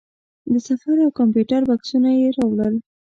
د سفر او کمپیوټر بکسونه یې راوړل.